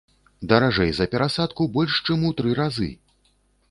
Даражэй за перасадку больш чым у тры разы!